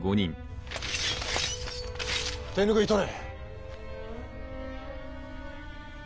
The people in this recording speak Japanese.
手拭い取れ。